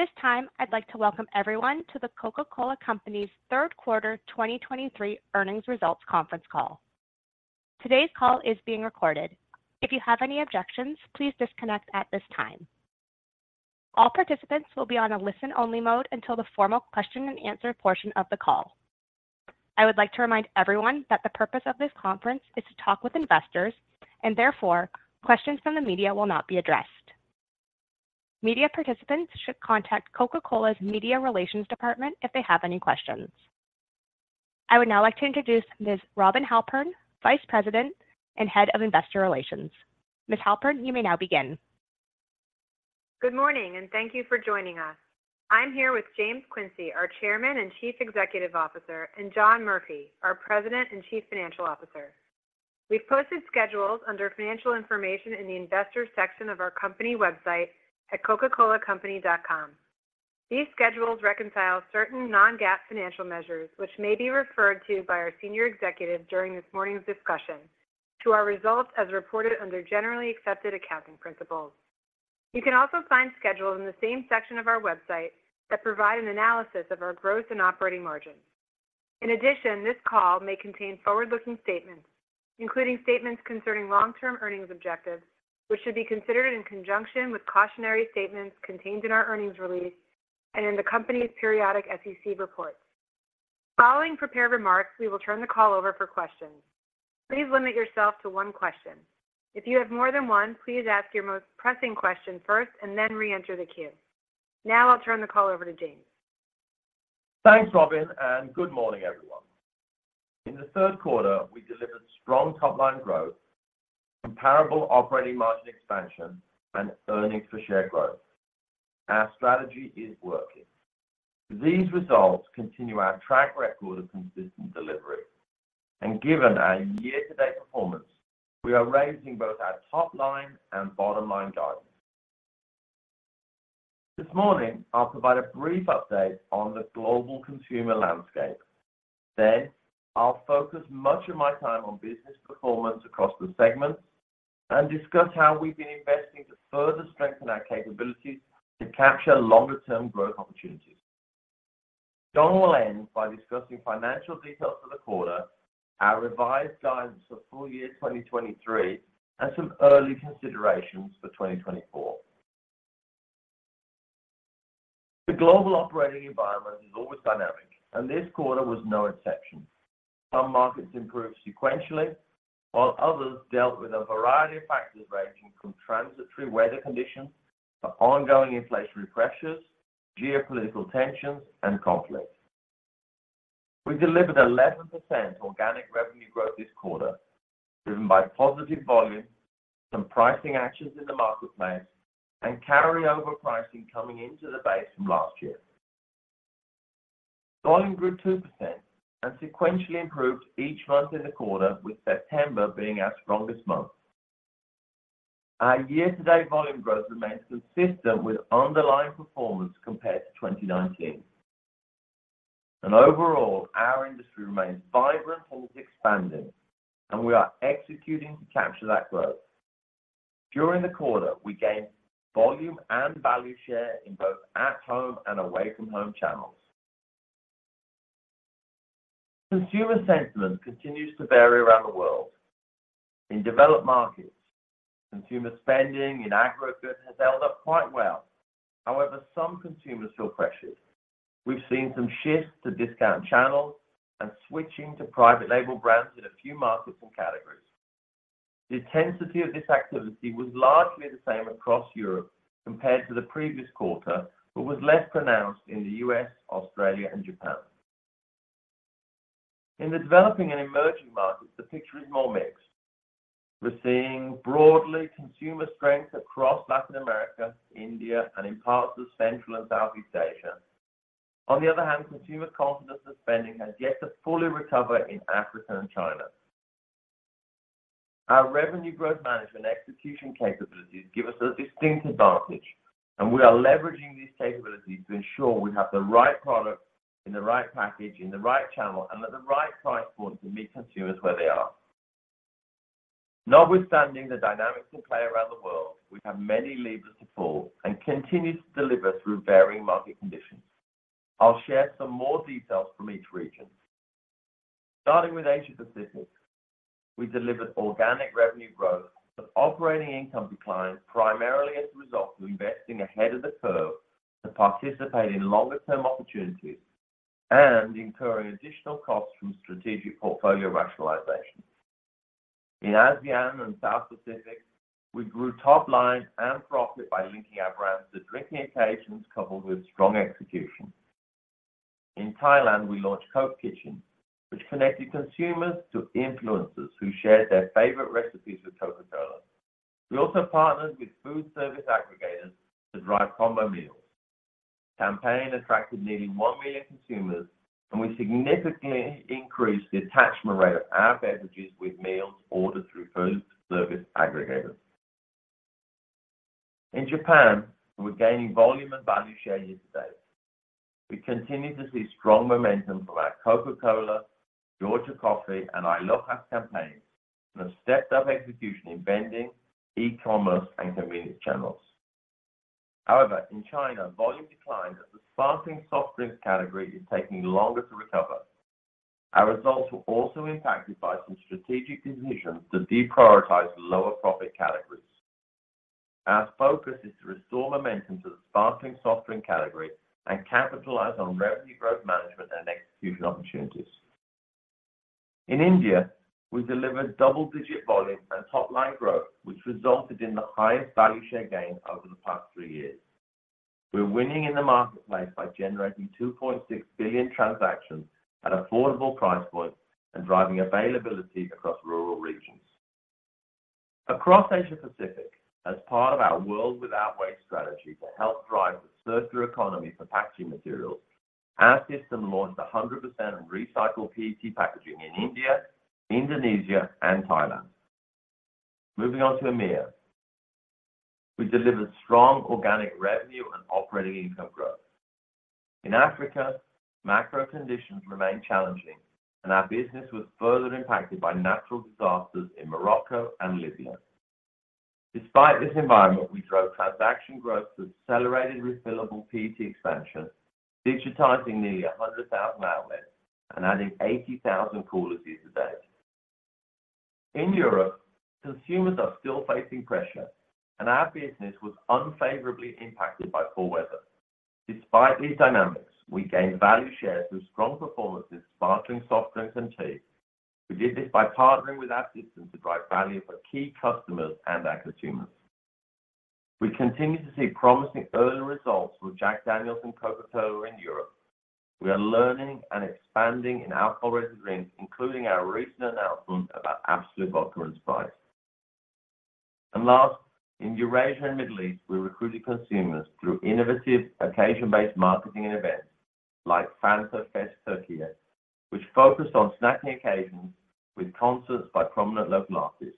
At this time, I'd like to welcome everyone to The Coca-Cola Company's third quarter 2023 earnings results conference call. Today's call is being recorded. If you have any objections, please disconnect at this time. All participants will be on a listen-only mode until the formal question-and-answer portion of the call. I would like to remind everyone that the purpose of this conference is to talk with investors, and therefore, questions from the media will not be addressed. Media participants should contact Coca-Cola's Media Relations Department if they have any questions. I would now like to introduce Ms. Robin Halpern, Vice President and Head of Investor Relations. Ms. Halpern, you may now begin. Good morning, and thank you for joining us. I'm here with James Quincey, our Chairman and Chief Executive Officer, and John Murphy, our President and Chief Financial Officer. We've posted schedules under Financial Information in the Investors section of our company website at cocacolacompany.com. These schedules reconcile certain non-GAAP financial measures, which may be referred to by our senior executives during this morning's discussion to our results as reported under generally accepted accounting principles. You can also find schedules in the same section of our website that provide an analysis of our growth and operating margins. In addition, this call may contain forward-looking statements, including statements concerning long-term earnings objectives, which should be considered in conjunction with cautionary statements contained in our earnings release and in the company's periodic SEC reports. Following prepared remarks, we will turn the call over for questions. Please limit yourself to one question. If you have more than one, please ask your most pressing question first and then reenter the queue. Now I'll turn the call over to James. Thanks, Robin, and good morning, everyone. In the third quarter, we delivered strong top line growth, comparable operating margin expansion, and earnings per share growth. Our strategy is working. These results continue our track record of consistent delivery, and given our year-to-date performance, we are raising both our top line and bottom line guidance. This morning, I'll provide a brief update on the global consumer landscape. Then, I'll focus much of my time on business performance across the segments and discuss how we've been investing to further strengthen our capabilities to capture longer-term growth opportunities. John will end by discussing financial details for the quarter, our revised guidance for full year 2023, and some early considerations for 2024. The global operating environment is always dynamic, and this quarter was no exception. Some markets improved sequentially, while others dealt with a variety of factors, ranging from transitory weather conditions to ongoing inflationary pressures, geopolitical tensions, and conflicts. We delivered 11% organic revenue growth this quarter, driven by positive volume, some pricing actions in the marketplace, and carryover pricing coming into the base from last year. Volume grew 2% and sequentially improved each month in the quarter, with September being our strongest month. Our year-to-date volume growth remains consistent with underlying performance compared to 2019. Overall, our industry remains vibrant and expanding, and we are executing to capture that growth. During the quarter, we gained volume and value share in both at-home and away-from-home channels. Consumer sentiment continues to vary around the world. In developed markets, consumer spending in aggregate has held up quite well. However, some consumers feel pressured. We've seen some shifts to discount channels and switching to private label brands in a few markets and categories. The intensity of this activity was largely the same across Europe compared to the previous quarter, but was less pronounced in the U.S., Australia, and Japan. In the developing and emerging markets, the picture is more mixed. We're seeing broadly consumer strength across Latin America, India, and in parts of Central and Southeast Asia. On the other hand, consumer confidence and spending has yet to fully recover in Africa and China. Our revenue growth management execution capabilities give us a distinct advantage, and we are leveraging these capabilities to ensure we have the right product, in the right package, in the right channel, and at the right price point to meet consumers where they are. Notwithstanding the dynamics in play around the world, we have many levers to pull and continue to deliver through varying market conditions. I'll share some more details from each region. Starting with Asia Pacific, we delivered organic revenue growth, but operating income declined primarily as a result of investing ahead of the curve to participate in longer-term opportunities and incurring additional costs from strategic portfolio rationalization. In ASEAN and South Pacific, we grew top line and profit by linking our brands to drinking occasions coupled with strong execution. In Thailand, we launched Coke Kitchen, which connected consumers to influencers who shared their favorite recipes with Coca-Cola. We also partnered with food service aggregators to drive combo meals. Campaign attracted nearly 1 million consumers, and we significantly increased the attachment rate of our beverages with meals ordered through food service aggregators. In Japan, we're gaining volume and value share year to date. We continue to see strong momentum from our Coca-Cola, Georgia Coffee, and I LOHAS Campaigns, and have stepped up execution in vending, e-commerce, and convenience channels. However, in China, volume declined as the sparkling soft drinks category is taking longer to recover. Our results were also impacted by some strategic decisions to deprioritize lower profit categories. Our focus is to restore momentum to the sparkling soft drink category and capitalize on revenue growth management and execution opportunities. In India, we delivered double-digit volume and top-line growth, which resulted in the highest value share gain over the past three years. We're winning in the marketplace by generating 2.6 billion transactions at affordable price points and driving availability across rural regions. Across Asia Pacific, as part of our World Without Waste strategy to help drive the circular economy for packaging materials, our system launched 100% recycled PET packaging in India, Indonesia, and Thailand. Moving on to EMEA. We delivered strong organic revenue and operating income growth. In Africa, macro conditions remain challenging, and our business was further impacted by natural disasters in Morocco and Libya. Despite this environment, we drove transaction growth through accelerated refillable PET expansion, digitizing nearly 100,000 outlets, and adding 80,000 coolers year-to-date. In Europe, consumers are still facing pressure, and our business was unfavorably impacted by poor weather. Despite these dynamics, we gained value share through strong performances in sparkling soft drinks and tea. We did this by partnering with our system to drive value for key customers and our consumers. We continue to see promising early results with Jack Daniel's and Coca-Cola in Europe. We are learning and expanding in alcoholic drinks, including our recent announcement about Absolut Vodka and Sprite. And last, in Eurasia and Middle East, we recruited consumers through innovative occasion-based marketing and events like Fanta Fest Türkiye, which focused on snacking occasions with concerts by prominent local artists.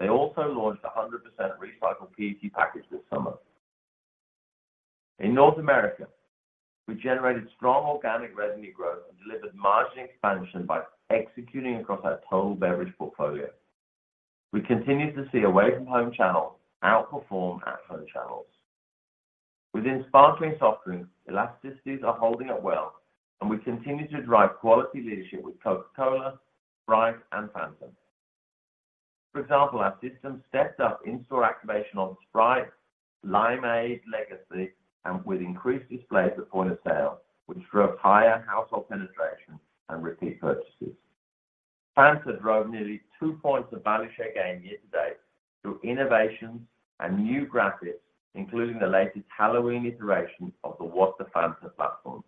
They also launched a 100% recycled PET package this summer. In North America, we generated strong organic revenue growth and delivered margin expansion by executing across our total beverage portfolio. We continued to see away-from-home channels outperform at-home channels. Within sparkling soft drinks, elasticities are holding up well, and we continue to drive quality leadership with Coca-Cola, Sprite, and Fanta. For example, our systems stepped up in-store activation on Sprite Lymonade Legacy and with increased displays at point of sale, which drove higher household penetration and repeat purchases. Fanta drove nearly two points of value share gain year to date through innovations and new graphics, including the latest Halloween iteration of the What the Fanta platform.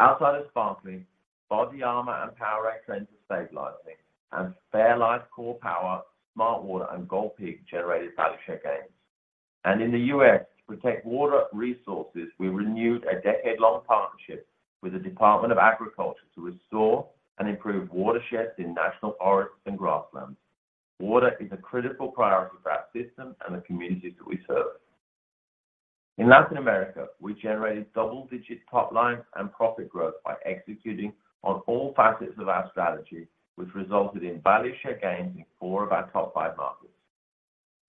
Outside of sparkling, BODYARMOR and POWERADE trends are stabilizing, and fairlife Core Power, smartwater, and Gold Peak generated value share gains. And in the U.S., to protect water resources, we renewed a decade-long partnership with the Department of Agriculture to restore and improve watersheds in national forests and grasslands. Water is a critical priority for our system and the communities that we serve. In Latin America, we generated double-digit top line and profit growth by executing on all facets of our strategy, which resulted in value share gains in four of our top five markets.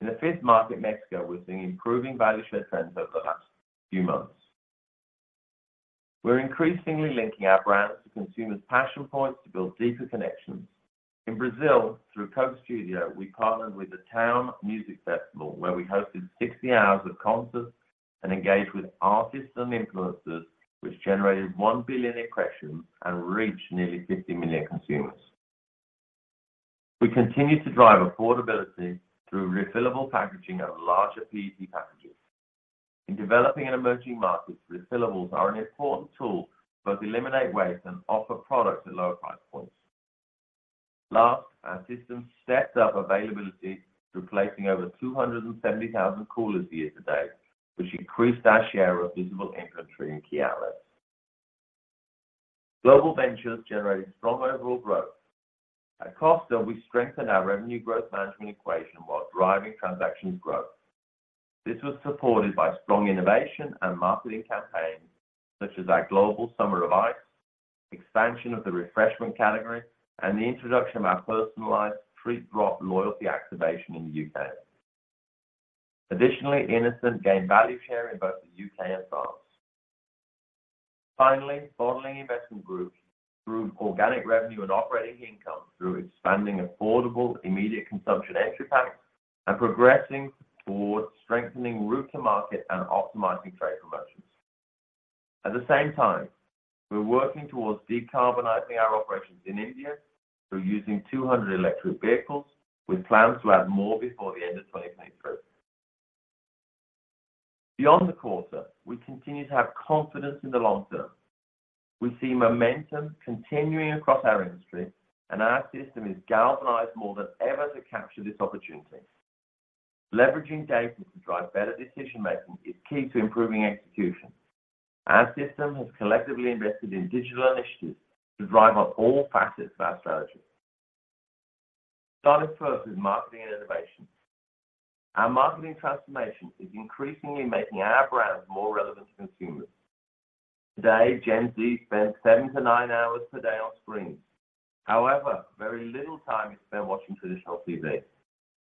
In the fifth market, Mexico, we're seeing improving value share trends over the last few months. We're increasingly linking our brands to consumers' passion points to build deeper connections. In Brazil, through Coke Studio, we partnered with The Town music festival, where we hosted 60 hours of concerts and engaged with artists and influencers, which generated 1 billion impressions and reached nearly 50 million consumers. We continue to drive affordability through refillable packaging and larger PET packages. In developing and emerging markets, refillables are an important tool to both eliminate waste and offer products at lower price points. Last, our system stepped up availability through placing over 270,000 coolers year to date, which increased our share of visible inventory in key outlets. Global Ventures generated strong overall growth. At Costa, we strengthened our revenue growth management equation while driving transactions growth. This was supported by strong innovation and marketing campaigns, such as our global Summer of Ice, expansion of the refreshment category, and the introduction of our personalized Treat Drop loyalty activation in the U.K.. Additionally, innocent gained value share in both the U.K. and France. Finally, Bottling Investments Group improved organic revenue and operating income through expanding affordable, immediate consumption entry packs and progressing towards strengthening route to market and optimizing trade promotions. At the same time, we're working towards decarbonizing our operations in India through using 200 electric vehicles, with plans to add more before the end of 2023. Beyond the quarter, we continue to have confidence in the long term. We see momentum continuing across our industry, and our system is galvanized more than ever to capture this opportunity. Leveraging data to drive better decision making is key to improving execution. Our system has collectively invested in digital initiatives to drive on all facets of our strategy. Starting first with marketing and innovation. Our marketing transformation is increasingly making our brands more relevant to consumers. Today, Gen Z spends 7 hours-9 hours per day on screens. However, very little time is spent watching traditional TV.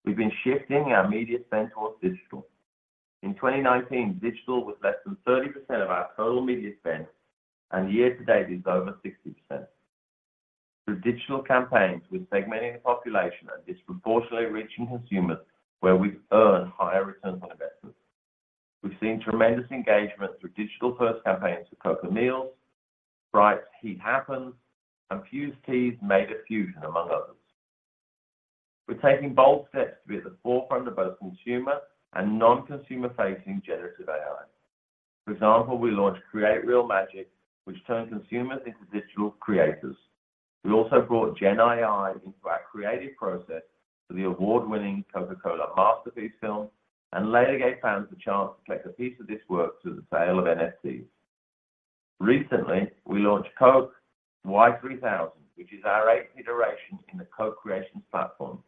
We've been shifting our media spend towards digital. In 2019, digital was less than 30% of our total media spend, and year-to-date, it's over 60%. Through digital campaigns, we're segmenting the population and disproportionately reaching consumers where we've earned higher returns on investment. We've seen tremendous engagement through digital-first campaigns for Coke & Meals, Sprite's Heat Happens, and Fuze Tea's Made of Fusion, among others. We're taking bold steps to be at the forefront of both consumer and non-consumer-facing generative AI. For example, we launched Create Real Magic, which turned consumers into digital creators. We also brought Gen AI into our creative process for the award-winning Coca-Cola Masterpiece film, and later gave fans the chance to collect a piece of this work through the sale of NFTs. Recently, we launched Coke Y3000, which is our eighth iteration in the co-creation platform.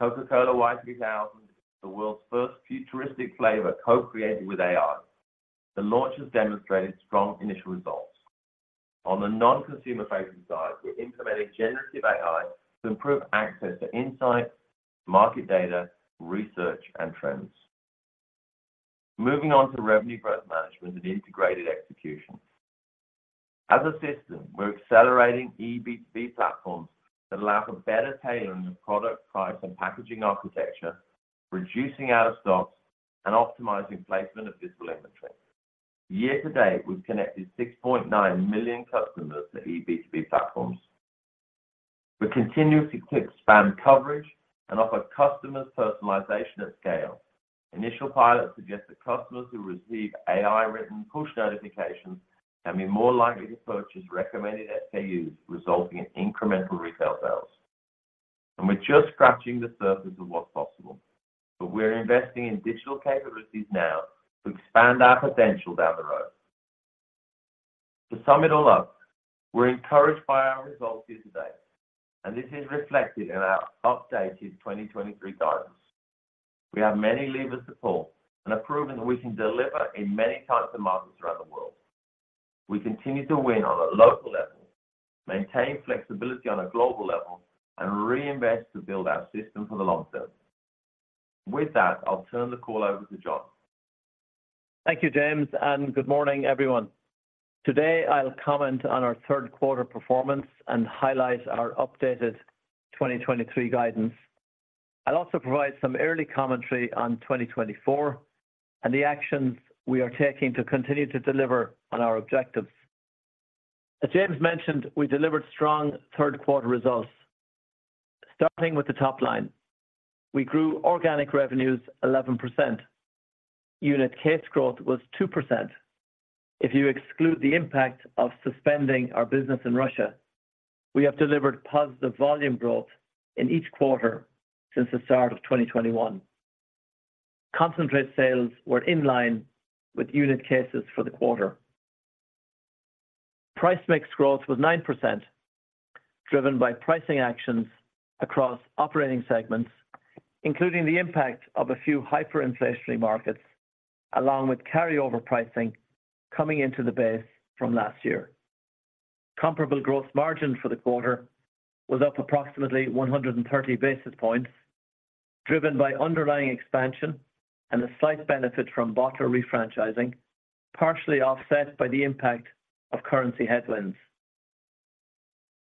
Coca-Cola Y3000 is the world's first futuristic flavor co-created with AI. The launch has demonstrated strong initial results. On the non-consumer-facing side, we're implementing generative AI to improve access to insight, market data, research, and trends. Moving on to revenue growth management and integrated execution. As a system, we're accelerating eB2B platforms that allow for better tailoring of product, price, and packaging architecture, reducing out-of-stocks, and optimizing placement of physical inventory. Year to date, we've connected 6.9 million customers to eB2B platforms. We're continuously expanding coverage and offer customers personalization at scale. Initial pilots suggest that customers who receive AI-written push notifications can be more likely to purchase recommended SKUs, resulting in incremental retail sales. And we're just scratching the surface of what's possible, but we're investing in digital capabilities now to expand our potential down the road. To sum it all up, we're encouraged by our results year-to-date, and this is reflected in our updated 2023 guidance. We have many levers to pull and have proven that we can deliver in many types of markets around the world. We continue to win on a local level, maintain flexibility on a global level, and reinvest to build our system for the long term. With that, I'll turn the call over to John. Thank you, James, and good morning, everyone. Today, I'll comment on our third quarter performance and highlight our updated 2023 guidance. I'll also provide some early commentary on 2024 and the actions we are taking to continue to deliver on our objectives. As James mentioned, we delivered strong third quarter results. Starting with the top line, we grew organic revenues 11%. Unit case growth was 2%. If you exclude the impact of suspending our business in Russia, we have delivered positive volume growth in each quarter since the start of 2021. Concentrate sales were in line with unit cases for the quarter. Price mix growth was 9%, driven by pricing actions across operating segments, including the impact of a few hyperinflationary markets, along with carryover pricing coming into the base from last year. Comparable gross margin for the quarter was up approximately 130 basis points, driven by underlying expansion and a slight benefit from bottler refranchising, partially offset by the impact of currency headwinds.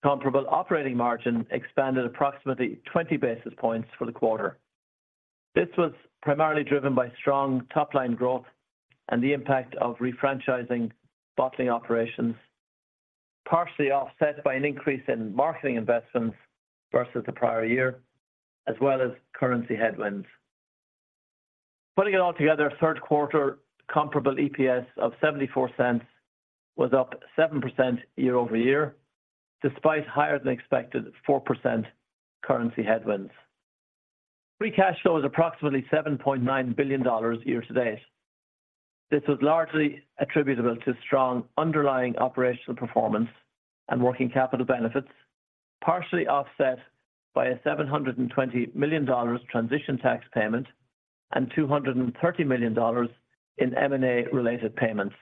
Comparable operating margin expanded approximately 20 basis points for the quarter. This was primarily driven by strong top-line growth and the impact of refranchising bottling operations, partially offset by an increase in marketing investments versus the prior year, as well as currency headwinds. Putting it all together, third quarter comparable EPS of $0.74 was up 7% year-over-year, despite higher-than-expected 4% currency headwinds. Free cash flow is approximately $7.9 billion year to date. This was largely attributable to strong underlying operational performance and working capital benefits, partially offset by a $720 million transition tax payment and $230 million in M&A-related payments.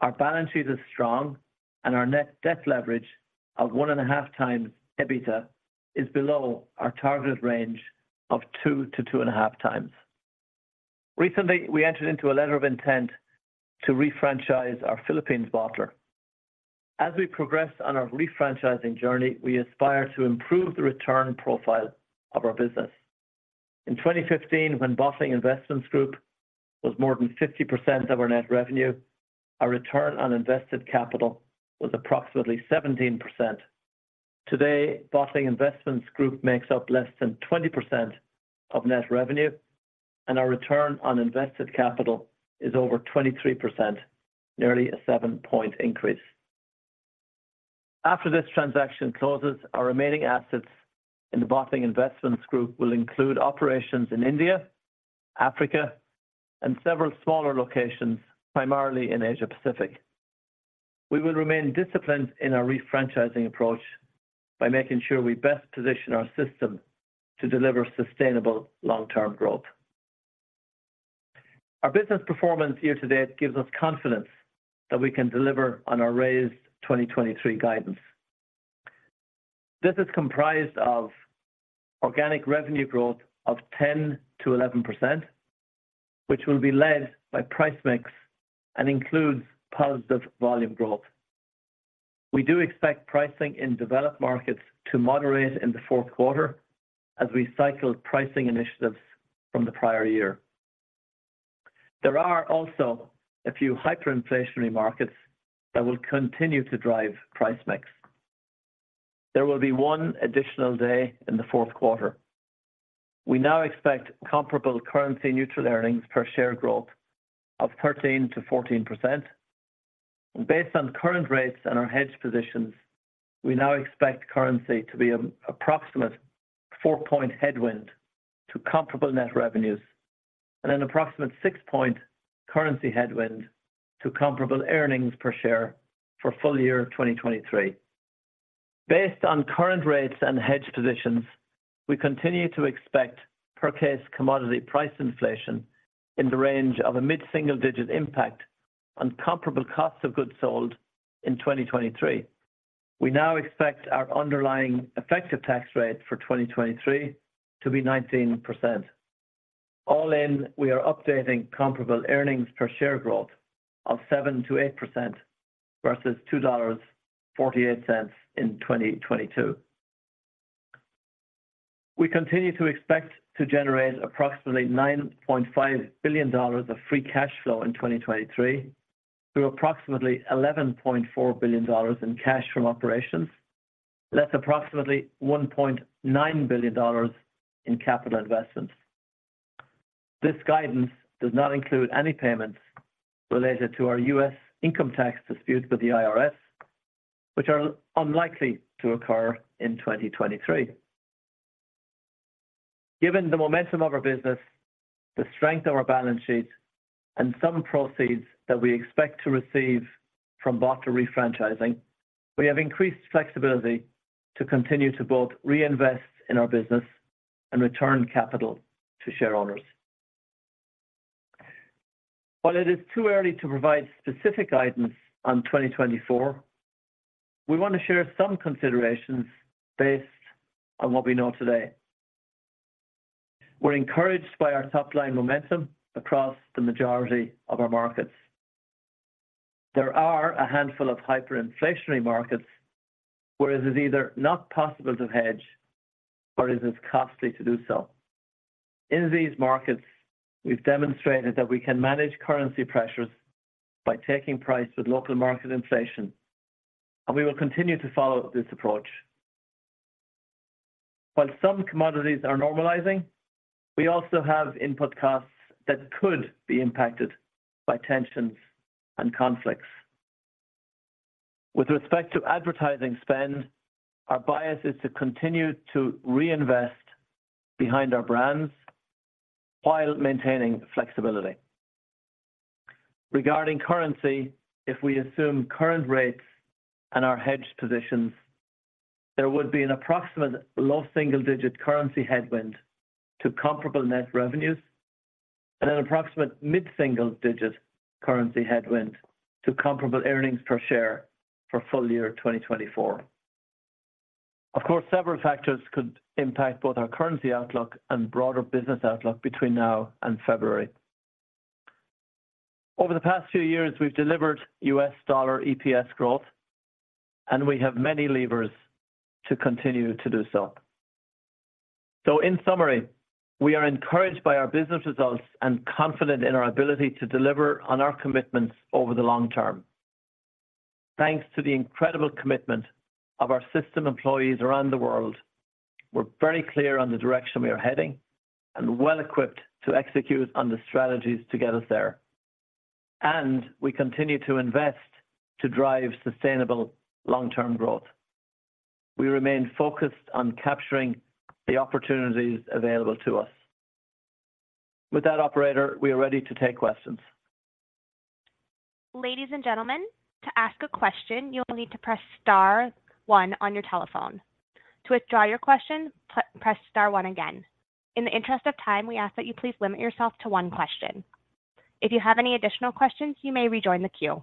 Our balance sheet is strong, and our net debt leverage of 1.5 times EBITDA is below our targeted range of 2-2.5 times. Recently, we entered into a letter of intent to refranchise our Philippines bottler. As we progress on our refranchising journey, we aspire to improve the return profile of our business. In 2015, when Bottling Investments Group was more than 50% of our net revenue, our return on invested capital was approximately 17%. Today, Bottling Investments Group makes up less than 20% of net revenue, and our return on invested capital is over 23%, nearly a 7-point increase. After this transaction closes, our remaining assets in the Bottling Investments Group will include operations in India, Africa, and several smaller locations, primarily in Asia Pacific.... We will remain disciplined in our refranchising approach by making sure we best position our system to deliver sustainable long-term growth. Our business performance year-to-date gives us confidence that we can deliver on our raised 2023 guidance. This is comprised of organic revenue growth of 10%-11%, which will be led by price mix and includes positive volume growth. We do expect pricing in developed markets to moderate in the fourth quarter as we cycle pricing initiatives from the prior year. There are also a few hyperinflationary markets that will continue to drive price mix. There will be one additional day in the fourth quarter. We now expect comparable currency-neutral earnings per share growth of 13%-14%. Based on current rates and our hedge positions, we now expect currency to be an approximate 4-point headwind to comparable net revenues and an approximate 6-point currency headwind to comparable earnings per share for full year 2023. Based on current rates and hedge positions, we continue to expect per-case commodity price inflation in the range of a mid-single-digit impact on comparable costs of goods sold in 2023. We now expect our underlying effective tax rate for 2023 to be 19%. All in, we are updating comparable earnings per share growth of 7%-8% versus $2.48 in 2022. We continue to expect to generate approximately $9.5 billion of free cash flow in 2023, through approximately $11.4 billion in cash from operations, less approximately $1.9 billion in capital investments. This guidance does not include any payments related to our U.S. income tax dispute with the IRS, which are unlikely to occur in 2023. Given the momentum of our business, the strength of our balance sheet, and some proceeds that we expect to receive from bottling refranchising, we have increased flexibility to continue to both reinvest in our business and return capital to share owners. While it is too early to provide specific guidance on 2024, we want to share some considerations based on what we know today. We're encouraged by our top-line momentum across the majority of our markets. There are a handful of hyperinflationary markets where it is either not possible to hedge or it is costly to do so. In these markets, we've demonstrated that we can manage currency pressures by taking price with local market inflation, and we will continue to follow this approach. While some commodities are normalizing, we also have input costs that could be impacted by tensions and conflicts. With respect to advertising spend, our bias is to continue to reinvest behind our brands while maintaining flexibility. Regarding currency, if we assume current rates and our hedged positions, there would be an approximate low single-digit currency headwind to comparable net revenues and an approximate mid-single digit currency headwind to comparable earnings per share for full year 2024. Of course, several factors could impact both our currency outlook and broader business outlook between now and February. Over the past few years, we've delivered US dollar EPS growth, and we have many levers to continue to do so. In summary, we are encouraged by our business results and confident in our ability to deliver on our commitments over the long term. Thanks to the incredible commitment of our system employees around the world, we're very clear on the direction we are heading and well equipped to execute on the strategies to get us there. We continue to invest to drive sustainable long-term growth. We remain focused on capturing the opportunities available to us. With that, operator, we are ready to take questions. Ladies and gentlemen, to ask a question, you will need to press star one on your telephone. To withdraw your question, press star one again. In the interest of time, we ask that you please limit yourself to one question. If you have any additional questions, you may rejoin the queue.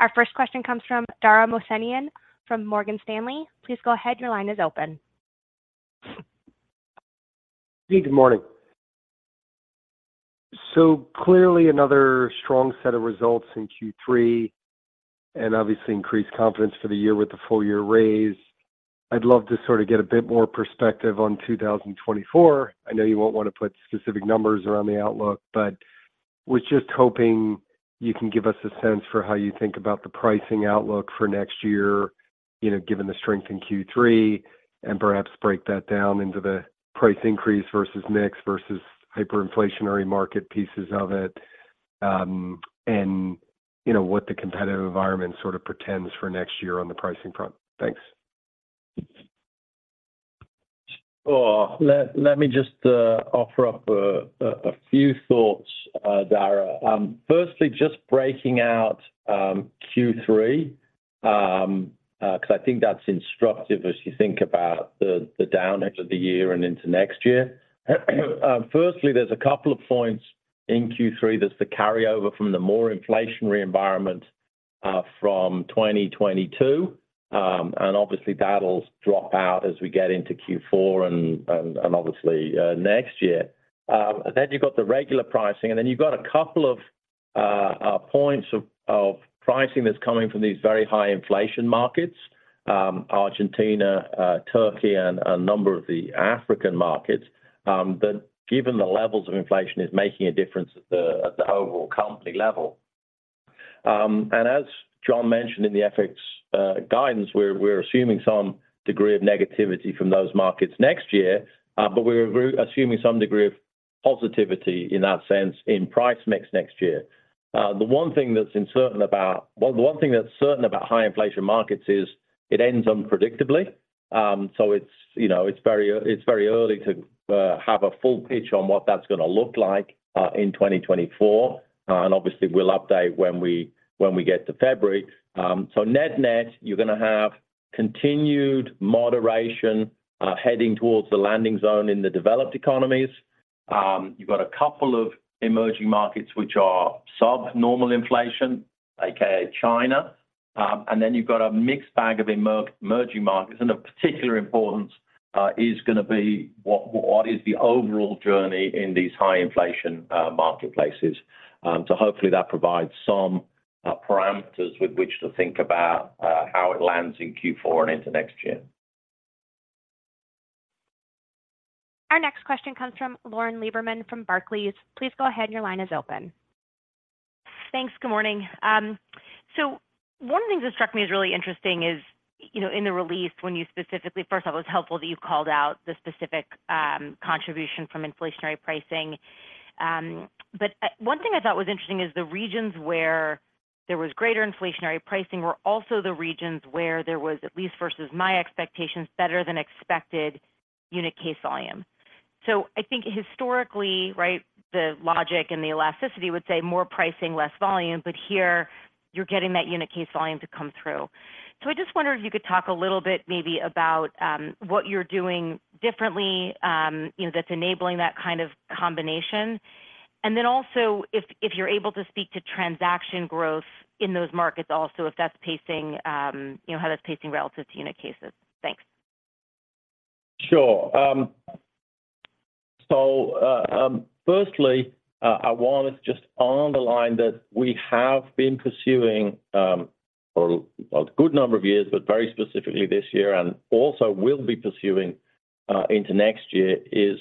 Our first question comes from Dara Mohsenian from Morgan Stanley. Please go ahead. Your line is open. Good morning. So clearly another strong set of results in Q3 and obviously increased confidence for the year with the full year raise. I'd love to sort of get a bit more perspective on 2024. I know you won't want to put specific numbers around the outlook, but was just hoping you can give us a sense for how you think about the pricing outlook for next year, you know, given the strength in Q3, and perhaps break that down into the price increase versus mix versus hyperinflationary market pieces of it, and you know, what the competitive environment sort of portends for next year on the pricing front. Thanks. Oh, let me just offer up a few thoughts, Dara. Firstly, just breaking out Q3, because I think that's instructive as you think about the downside of the year and into next year. Firstly, there's a couple of points in Q3 that's the carryover from the more inflationary environment from 2022. And obviously, that'll drop out as we get into Q4 and obviously next year. Then you've got the regular pricing, and then you've got a couple of points of pricing that's coming from these very high inflation markets, Argentina, Turkey, and a number of the African markets, that given the levels of inflation, is making a difference at the overall company level. And as John mentioned in the FX guidance, we're assuming some degree of negativity from those markets next year, but we're assuming some degree of positivity in that sense in price mix next year. Well, the one thing that's certain about high inflation markets is it ends unpredictably. So it's, you know, it's very early to have a full pitch on what that's gonna look like in 2024. And obviously, we'll update when we get to February. So net-net, you're gonna have continued moderation heading towards the landing zone in the developed economies. You've got a couple of emerging markets which are subnormal inflation, aka China. And then you've got a mixed bag of emerging markets, and of particular importance is gonna be what, what is the overall journey in these high inflation marketplaces. So hopefully that provides some parameters with which to think about how it lands in Q4 and into next year. Our next question comes from Lauren Lieberman from Barclays. Please go ahead. Your line is open. Thanks. Good morning. So one of the things that struck me as really interesting is, you know, in the release, when you specifically, first of all, it was helpful that you called out the specific contribution from inflationary pricing. But one thing I thought was interesting is the regions where there was greater inflationary pricing were also the regions where there was, at least versus my expectations, better than expected unit case volume. So I just wondered if you could talk a little bit maybe about what you're doing differently, you know, that's enabling that kind of combination. And then also, if you're able to speak to transaction growth in those markets also, if that's pacing, you know, how that's pacing relative to unit cases? Thanks. Sure. So, firstly, I want to just underline that we have been pursuing, for a good number of years, but very specifically this year, and also will be pursuing, into next year, is,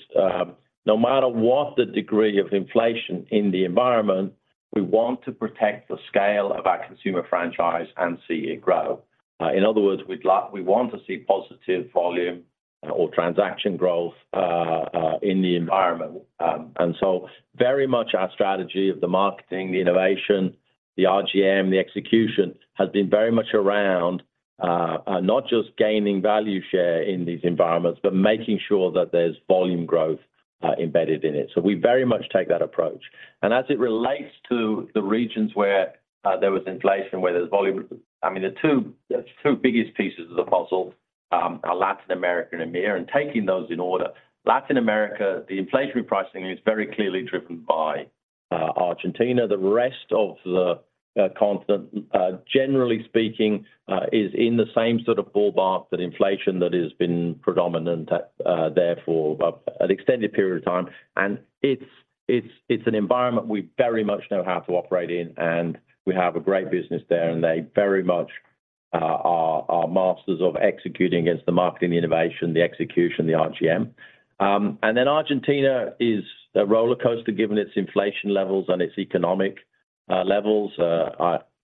no matter what the degree of inflation in the environment, we want to protect the scale of our consumer franchise and see it grow. In other words, we'd like, we want to see positive volume or transaction growth, in the environment. And so very much our strategy of the marketing, the innovation, the RGM, the execution has been very much around, not just gaining value share in these environments, but making sure that there's volume growth, embedded in it. So we very much take that approach. As it relates to the regions where there was inflation, where there's volume, I mean, the two, the two biggest pieces of the puzzle are Latin America and EMEA, and taking those in order. Latin America, the inflationary pricing is very clearly driven by Argentina. The rest of the continent, generally speaking, is in the same sort of ballpark that inflation that has been predominant therefore an extended period of time. And it's, it's, it's an environment we very much know how to operate in, and we have a great business there, and they very much are, are masters of executing against the marketing, innovation, the execution, the RGM. And then Argentina is a rollercoaster, given its inflation levels and its economic levels.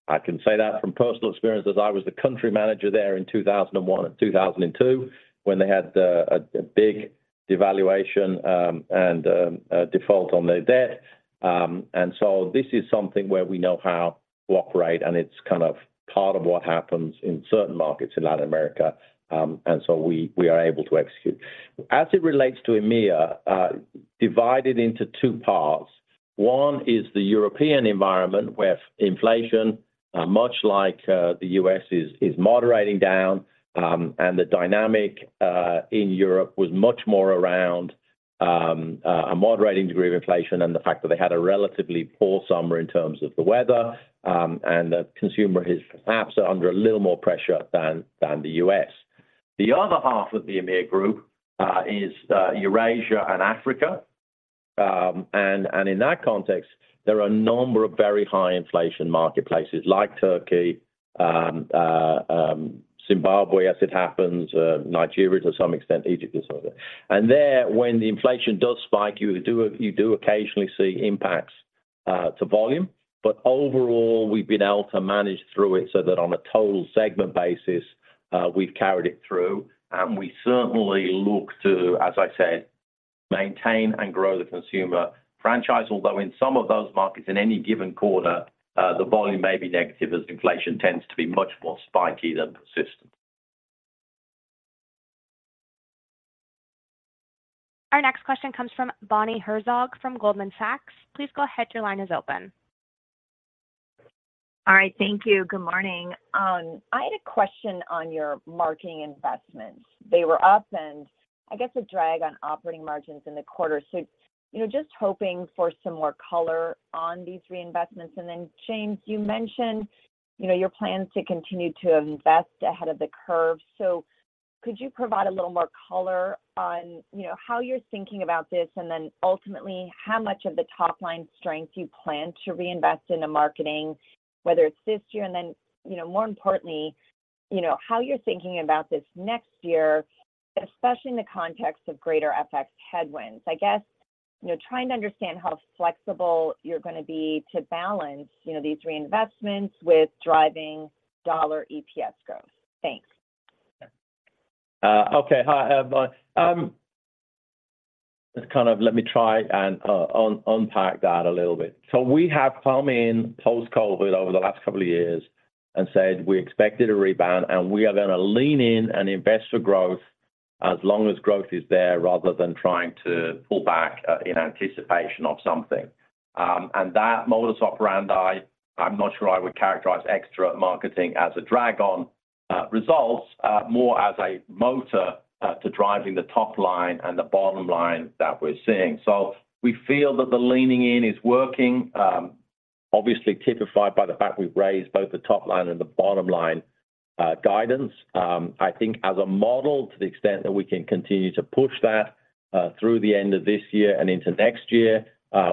I can say that from personal experience, as I was the country manager there in 2001 and 2002, when they had a big devaluation and a default on their debt. And so this is something where we know how to operate, and it's kind of part of what happens in certain markets in Latin America, and so we are able to execute. As it relates to EMEA, divided into two parts. One is the European environment, where inflation, much like the U.S., is moderating down, and the dynamic in Europe was much more around a moderating degree of inflation and the fact that they had a relatively poor summer in terms of the weather, and the consumer is perhaps under a little more pressure than the U.S. The other half of the EMEA group is Eurasia and Africa. In that context, there are a number of very high inflation marketplaces like Turkey, Zimbabwe, as it happens, Nigeria, to some extent, Egypt as well. There, when the inflation does spike, you occasionally see impacts to volume, but overall, we've been able to manage through it so that on a total segment basis, we've carried it through. We certainly look to, as I said, maintain and grow the consumer franchise. Although in some of those markets, in any given quarter, the volume may be negative, as inflation tends to be much more spiky than persistent. Our next question comes from Bonnie Herzog from Goldman Sachs. Please go ahead. Your line is open. All right. Thank you. Good morning. I had a question on your marketing investments. They were up and I guess a drag on operating margins in the quarter. So, you know, just hoping for some more color on these reinvestments. And then, James, you mentioned, you know, your plans to continue to invest ahead of the curve. So could you provide a little more color on, you know, how you're thinking about this? And then ultimately, how much of the top-line strength you plan to reinvest into marketing, whether it's this year and then, you know, more importantly, you know, how you're thinking about this next year, especially in the context of greater FX headwinds? I guess, you know, trying to understand how flexible you're gonna be to balance, you know, these reinvestments with driving dollar EPS growth. Thanks. Okay. Hi, Bonnie. Just kind of let me try and unpack that a little bit. So we have come in post-COVID over the last couple of years and said we expected a rebound, and we are gonna lean in and invest for growth as long as growth is there, rather than trying to pull back in anticipation of something. And that modus operandi, I'm not sure I would characterize extra marketing as a drag on results, more as a motor to driving the top line and the bottom line that we're seeing. So we feel that the leaning in is working, obviously typified by the fact we've raised both the top line and the bottom line guidance. I think as a model, to the extent that we can continue to push that, through the end of this year and into next year,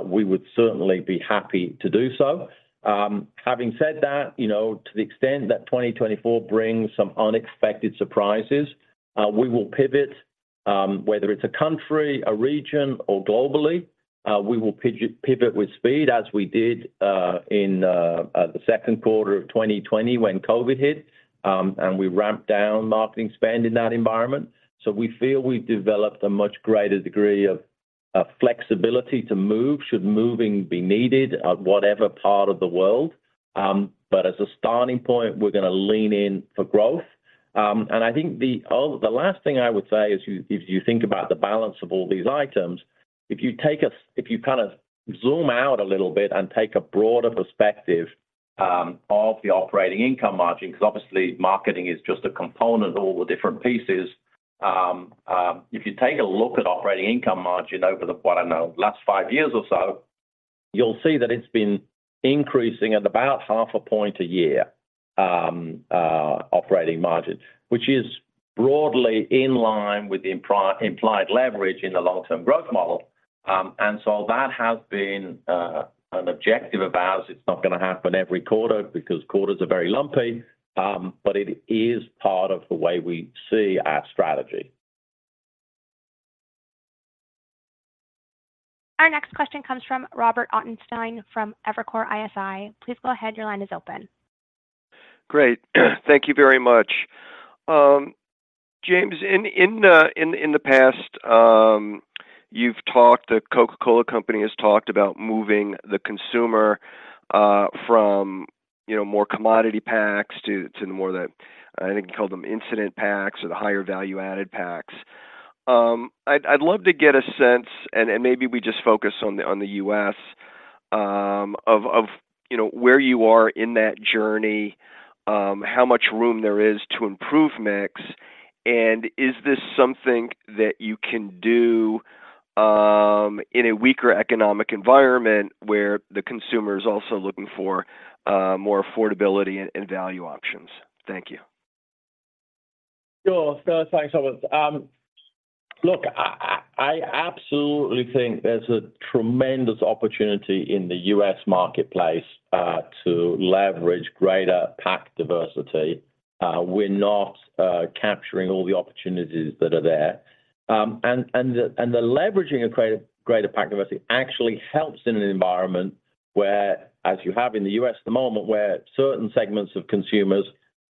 we would certainly be happy to do so. Having said that, you know, to the extent that 2024 brings some unexpected surprises, we will pivot, whether it's a country, a region, or globally, we will pivot with speed, as we did, in the second quarter of 2020, when COVID hit, and we ramped down marketing spend in that environment. So we feel we've developed a much greater degree of flexibility to move, should moving be needed at whatever part of the world. But as a starting point, we're gonna lean in for growth. And I think the last thing I would say is, if you think about the balance of all these items, if you take a—if you kind of zoom out a little bit and take a broader perspective of the operating income margin, because obviously marketing is just a component of all the different pieces. If you take a look at operating income margin over the, I don't know, last five years or so, you'll see that it's been increasing at about half a point a year, operating margin, which is broadly in line with the implied leverage in the long-term growth model. And so that has been an objective of ours. It's not gonna happen every quarter because quarters are very lumpy, but it is part of the way we see our strategy. Our next question comes from Robert Ottenstein from Evercore ISI. Please go ahead. Your line is open. Great. Thank you very much. James, in the past, you've talked... The Coca-Cola Company has talked about moving the consumer from, you know, more commodity packs to the more, I think you called them incident packs or the higher value-added packs. I'd love to get a sense, and maybe we just focus on the U.S., of, you know, where you are in that journey, how much room there is to improve mix, and is this something that you can do in a weaker economic environment where the consumer is also looking for more affordability and value options? Thank you. Sure. So thanks, Robert. Look, I absolutely think there's a tremendous opportunity in the U.S. marketplace to leverage greater pack diversity. We're not capturing all the opportunities that are there. And the leveraging of greater pack diversity actually helps in an environment where, as you have in the U.S. at the moment, where certain segments of consumers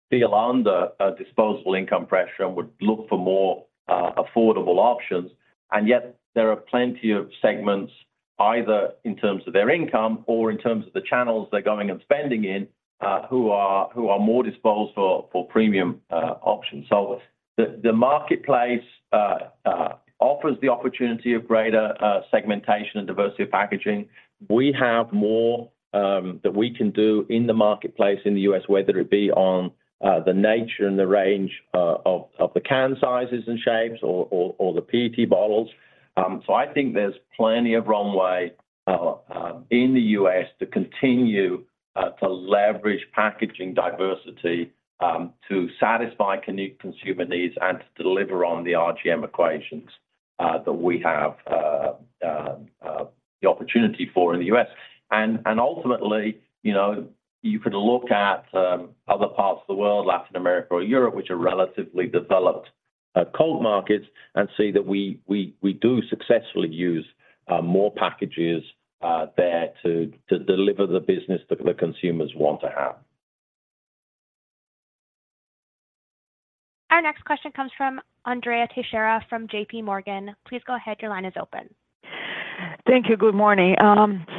feel under disposable income pressure and would look for more affordable options. And yet there are plenty of segments, either in terms of their income or in terms of the channels they're going and spending in, who are more disposed for premium options. So the marketplace offers the opportunity of greater segmentation and diversity of packaging. We have more that we can do in the marketplace in the U.S., whether it be on the nature and the range of the can sizes and shapes or the PET bottles. So I think there's plenty of runway in the U.S. to continue to leverage packaging diversity to satisfy unique consumer needs and to deliver on the RGM equations that we have the opportunity for in the U.S.. Ultimately, you know, you could look at other parts of the world, Latin America or Europe, which are relatively developed cold markets, and see that we do successfully use more packages there to deliver the business that the consumers want to have. Our next question comes from Andrea Teixeira from J.P. Morgan. Please go ahead. Your line is open. Thank you. Good morning.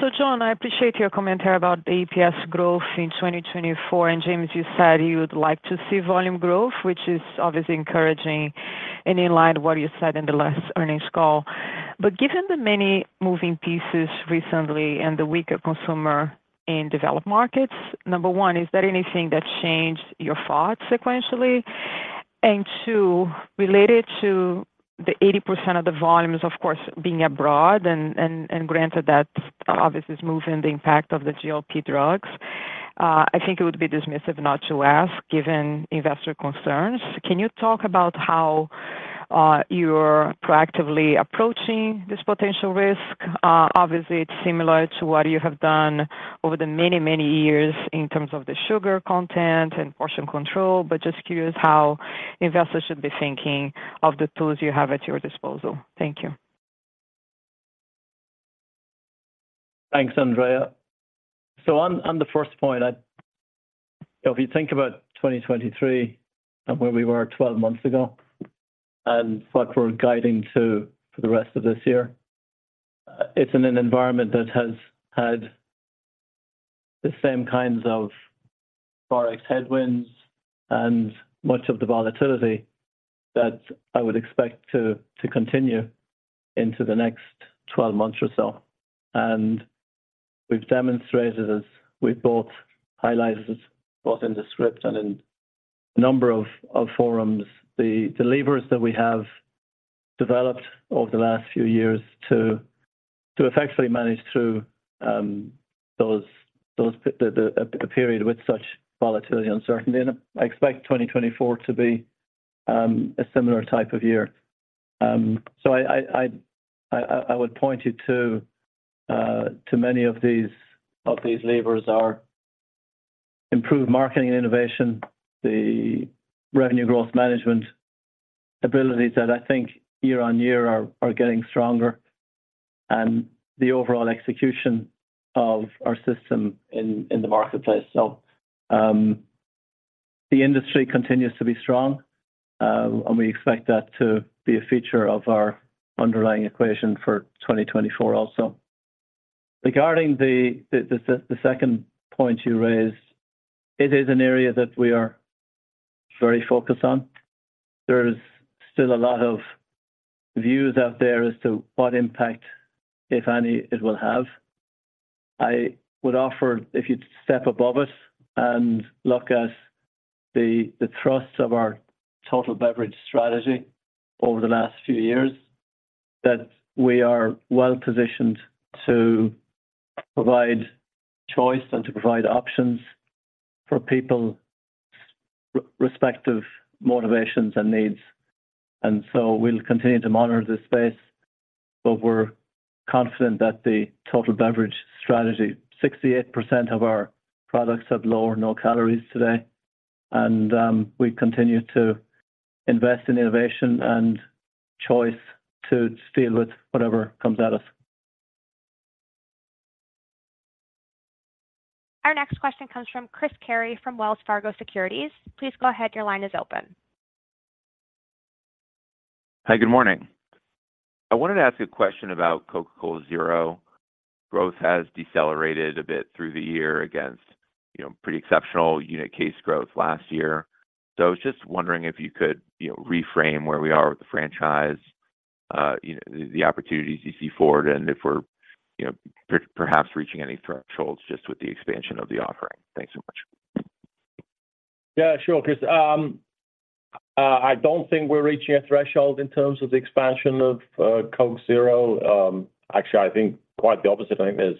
So John, I appreciate your commentary about the APS growth in 2024. And James, you said you would like to see volume growth, which is obviously encouraging and in line with what you said in the last earnings call. But given the many moving pieces recently and the weaker consumer in developed markets, number one, is there anything that changed your thoughts sequentially? And two, related to the 80% of the volumes, of course, being abroad and granted that obviously is moving the impact of the GLP drugs, I think it would be dismissive not to ask, given investor concerns. Can you talk about how you're proactively approaching this potential risk? Obviously, it's similar to what you have done over the many, many years in terms of the sugar content and portion control, but just curious how investors should be thinking of the tools you have at your disposal. Thank you. Thanks, Andrea. So on the first point, if you think about 2023 and where we were 12 months ago and what we're guiding to for the rest of this year, it's in an environment that has had the same kinds of Forex headwinds and much of the volatility that I would expect to continue into the next 12 months or so. And we've demonstrated, as we both highlighted, both in the script and in a number of forums, the levers that we have developed over the last few years to effectively manage through those a period with such volatility uncertainty. And I expect 2024 to be a similar type of year. So I would point you to many of these levers are improved marketing and innovation, the revenue growth management abilities that I think year-on-year are getting stronger and the overall execution of our system in the marketplace. So the industry continues to be strong, and we expect that to be a feature of our underlying equation for 2024 also. Regarding the second point you raised, it is an area that we are very focused on. There's still a lot of views out there as to what impact, if any, it will have. I would offer, if you'd step above us and look at the thrust of our total beverage strategy over the last few years, that we are well-positioned to provide choice and to provide options for people's respective motivations and needs. We'll continue to monitor this space, but we're confident that the total beverage strategy, 68% of our products have low or no calories today, and we continue to invest in innovation and choice to deal with whatever comes at us. Our next question comes from Chris Carey from Wells Fargo Securities. Please go ahead. Your line is open. Hi, good morning. I wanted to ask a question about Coca-Cola Zero. Growth has decelerated a bit through the year against, you know, pretty exceptional unit case growth last year. So I was just wondering if you could, you know, reframe where we are with the franchise, you know, the opportunities you see forward, and if we're, you know, perhaps reaching any thresholds just with the expansion of the offering. Thanks so much. Yeah, sure, Chris. I don't think we're reaching a threshold in terms of the expansion of Coke Zero. Actually, I think quite the opposite. I think there's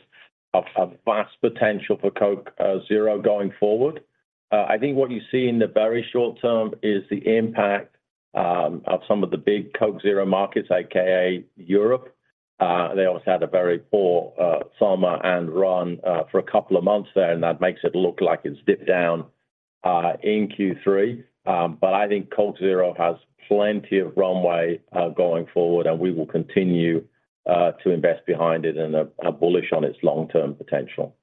a vast potential for Coke Zero going forward. I think what you see in the very short term is the impact of some of the big Coke Zero markets, AKA Europe. They also had a very poor summer and run for a couple of months there, and that makes it look like it's dipped down in Q3. But I think Coke Zero has plenty of runway going forward, and we will continue to invest behind it and are bullish on its long-term potential.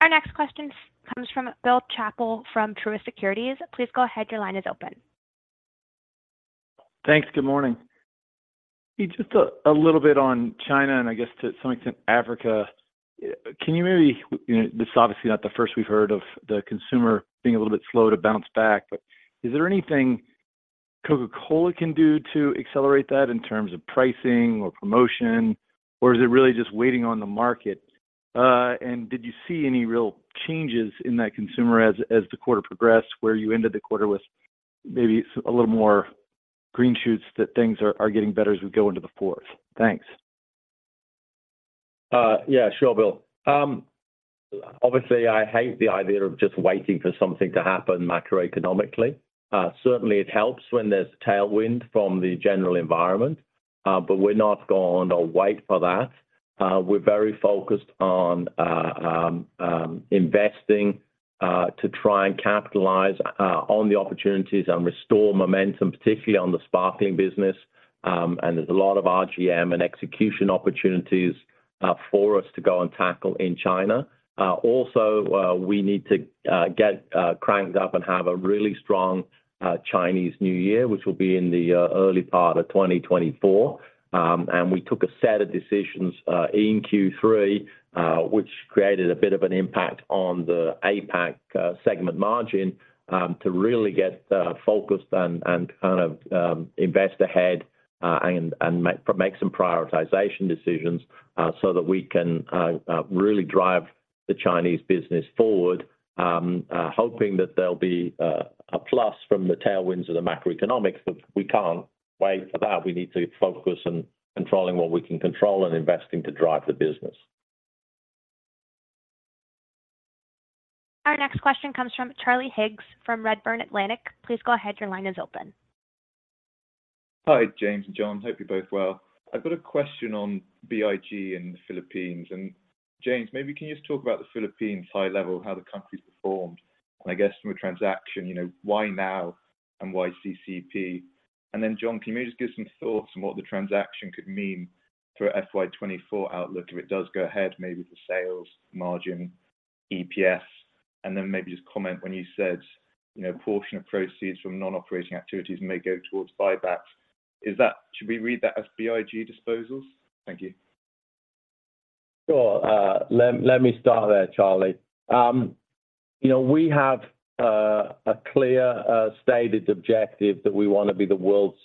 Our next question comes from Bill Chappell from Truist Securities. Please go ahead. Your line is open. Thanks. Good morning. Just a little bit on China, and I guess to some extent, Africa. Can you maybe... This is obviously not the first we've heard of the consumer being a little bit slow to bounce back, but is there anything Coca-Cola can do to accelerate that in terms of pricing or promotion? Or is it really just waiting on the market? And did you see any real changes in that consumer as the quarter progressed, where you ended the quarter with maybe a little more green shoots that things are getting better as we go into the fourth? Thanks. Yeah, sure, Bill. Obviously, I hate the idea of just waiting for something to happen macroeconomically. Certainly, it helps when there's tailwind from the general environment, but we're not going to wait for that. We're very focused on investing to try and capitalize on the opportunities and restore momentum, particularly on the sparkling business. And there's a lot of RGM and execution opportunities.... for us to go and tackle in China. Also, we need to get cranked up and have a really strong Chinese New Year, which will be in the early part of 2024. And we took a set of decisions in Q3, which created a bit of an impact on the APAC segment margin, to really get focused and kind of invest ahead and make some prioritization decisions, so that we can really drive the Chinese business forward. Hoping that there'll be a plus from the tailwinds of the macroeconomics, but we can't wait for that. We need to focus on controlling what we can control and investing to drive the business. Our next question comes from Charlie Higgs from Redburn Atlantic. Please go ahead. Your line is open. Hi, James and John. Hope you're both well. I've got a question on BIG in the Philippines. And, James, maybe can you just talk about the Philippines high level, how the country's performed? And I guess from a transaction, you know, why now and why CCEP? And then, John, can you just give some thoughts on what the transaction could mean for FY 2024 outlook, if it does go ahead, maybe the sales margin, EPS? And then maybe just comment when you said, you know, a portion of proceeds from non-operating activities may go towards buybacks. Is that—should we read that as BIG disposals? Thank you. Sure. Let me start there, Charlie. You know, we have a clear stated objective that we want to be the world's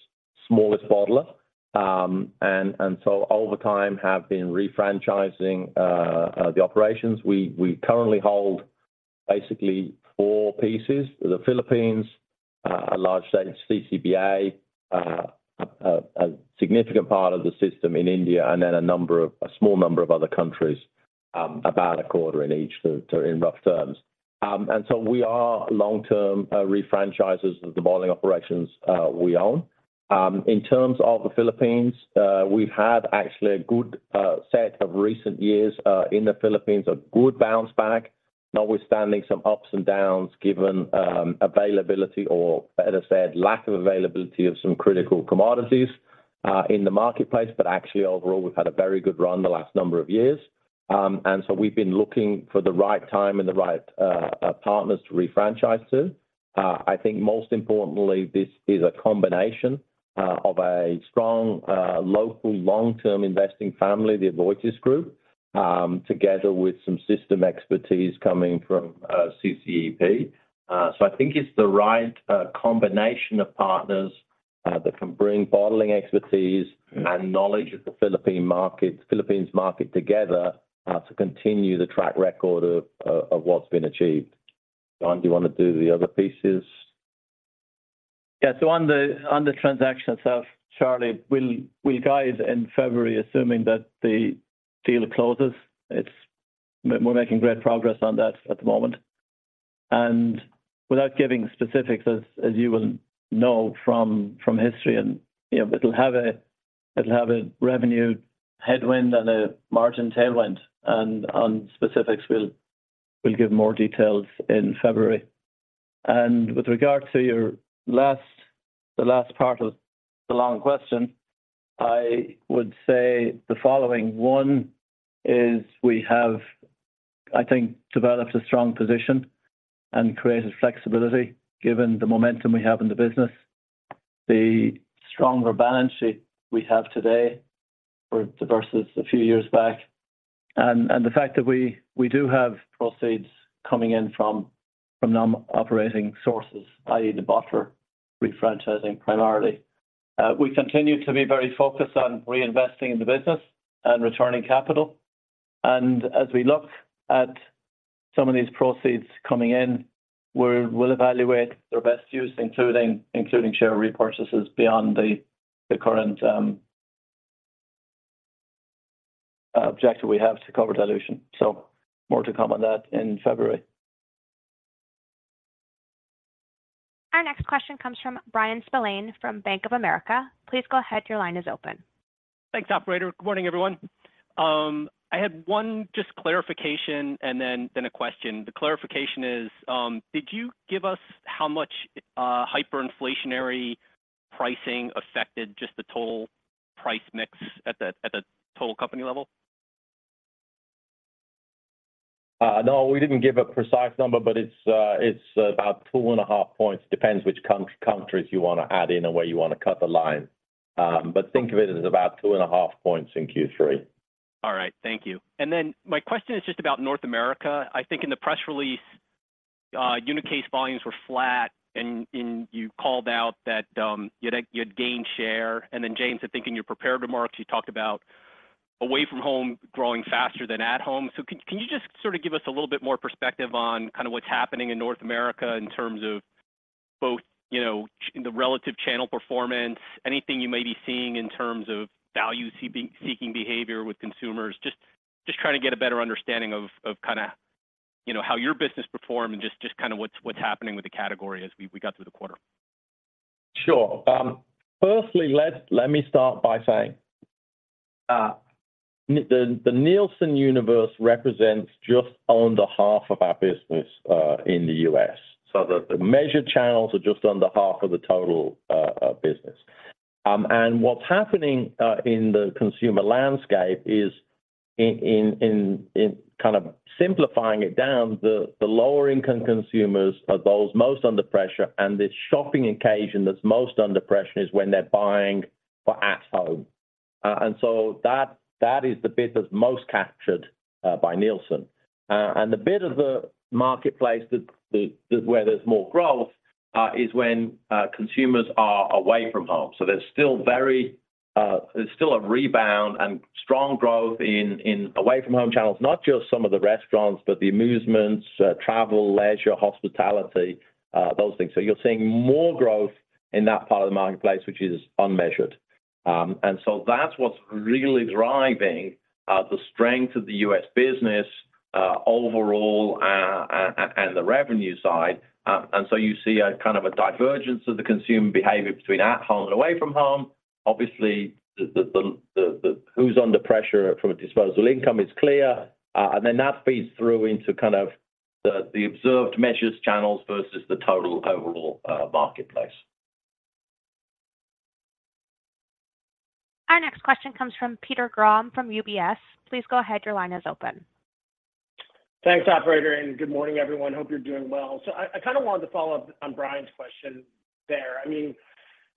smallest bottler. And so over time have been refranchising the operations. We currently hold basically four pieces, the Philippines, a large stake in CCBA, a significant part of the system in India, and then a small number of other countries, about a quarter in each, too, in rough terms. And so we are long-term refranchisers of the bottling operations we own. In terms of the Philippines, we've had actually a good set of recent years in the Philippines, a good bounce back, notwithstanding some ups and downs, given availability, or better said, lack of availability of some critical commodities in the marketplace. But actually, overall, we've had a very good run the last number of years. And so we've been looking for the right time and the right partners to refranchise to. I think most importantly, this is a combination of a strong local, long-term investing family, the Aboitiz Group, together with some system expertise coming from CCEP. So I think it's the right combination of partners that can bring bottling expertise and knowledge of the Philippine market, Philippines market together to continue the track record of what's been achieved. John, do you want to do the other pieces? Yeah. So on the transaction itself, Charlie, we'll guide in February, assuming that the deal closes. It's. We're making great progress on that at the moment. And without giving specifics, as you will know from history and, you know, it'll have a revenue headwind and a margin tailwind, and on specifics, we'll give more details in February. And with regard to your last, the last part of the long question, I would say the following: One is we have, I think, developed a strong position and created flexibility, given the momentum we have in the business, the stronger balance sheet we have today versus a few years back, and the fact that we do have proceeds coming in from non-operating sources, i.e., the bottler refranchising, primarily. We continue to be very focused on reinvesting in the business and returning capital. As we look at some of these proceeds coming in, we'll evaluate their best use, including share repurchases beyond the current objective we have to cover dilution. So more to come on that in February. Our next question comes from Bryan Spillane from Bank of America. Please go ahead. Your line is open. Thanks, operator. Good morning, everyone. I had one just clarification and then a question. The clarification is, did you give us how much hyperinflationary pricing affected just the total Price Mix at the total company level? No, we didn't give a precise number, but it's about 2.5 points. Depends which countries you want to add in and where you want to cut the line. But think of it as about 2.5 points in Q3. All right, thank you. And then my question is just about North America. I think in the press release, unit case volumes were flat, and you called out that you had gained share. And then, James, I think in your prepared remarks, you talked about away from home growing faster than at home. So can you just sort of give us a little bit more perspective on kind of what's happening in North America in terms of both, you know, the relative channel performance, anything you may be seeing in terms of value-seeking behavior with consumers? Just trying to get a better understanding of kind of, you know, how your business performed and just kind of what's happening with the category as we got through the quarter. Sure. Firstly, let me start by saying, the Nielsen universe represents just under half of our business in the U.S. So the measured channels are just under half of the total business. And what's happening in the consumer landscape is. In kind of simplifying it down, the lower income consumers are those most under pressure, and the shopping occasion that's most under pressure is when they're buying for at home. And so that is the bit that's most captured by Nielsen. And the bit of the marketplace that where there's more growth is when consumers are away from home. There's still very, there's still a rebound and strong growth in away-from-home channels, not just some of the restaurants, but the amusements, travel, leisure, hospitality, those things. You're seeing more growth in that part of the marketplace, which is unmeasured. That's what's really driving the strength of the U.S. business overall, and the revenue side. You see a kind of a divergence of the consumer behavior between at home and away from home. Obviously, who's under pressure from a disposable income is clear, and then that feeds through into kind of the observed measures channels versus the total overall marketplace. Our next question comes from Peter Grom from UBS. Please go ahead. Your line is open. Thanks, operator, and good morning, everyone. Hope you're doing well. So I kind of wanted to follow up on Brian's question there. I mean,